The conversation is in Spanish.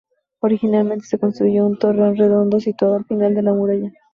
Originalmente se construyó un torreón redondo situado al final de la muralla.